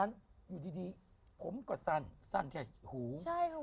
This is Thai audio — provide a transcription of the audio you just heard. อายุคนเป็นอย่างนี้นะ